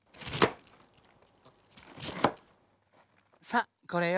さあこれよ。